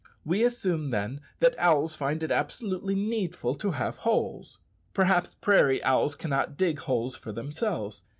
We assume, then, that owls find it absolutely needful to have holes. Probably prairie owls cannot dig holes for themselves.